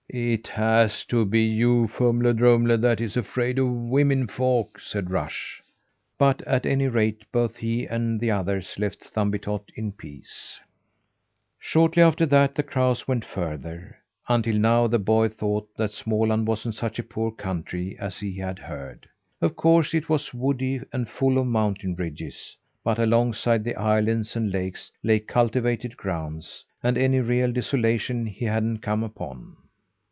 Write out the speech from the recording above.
"It has to be you, Fumle Drumle, that's afraid of women folk," said Rush. But, at any rate, both he and the others left Thumbietot in peace. Shortly after that the crows went further. Until now the boy thought that Småland wasn't such a poor country as he had heard. Of course it was woody and full of mountain ridges, but alongside the islands and lakes lay cultivated grounds, and any real desolation he hadn't come upon.